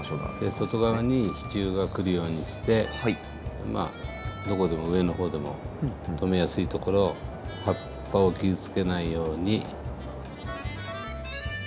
外側に支柱が来るようにしてどこでも上の方でも留めやすいところを葉っぱを傷つけないように。